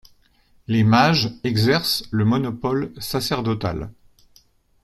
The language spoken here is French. Les mages exercent le monopole sacerdotal.